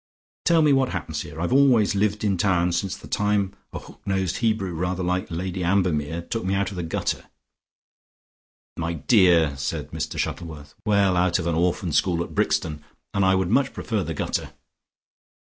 Tell me what happens here! I've always lived in town since the time a hook nosed Hebrew, rather like Lady Ambermere, took me out of the gutter." "My dear!" said Mr Shuttleworth. "Well, out of an orphan school at Brixton and I would much prefer the gutter.